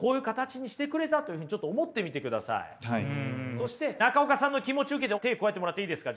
そして中岡さんの気持ちを受けて手加えてもらっていいですか？